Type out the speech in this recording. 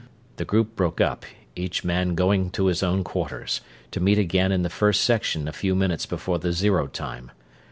] The group broke up, each man going to his own quarters; to meet again in the First Section a few minutes before the zero time.